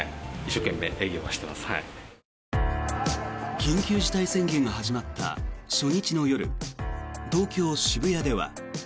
緊急事態宣言が始まった初日の夜東京・渋谷では。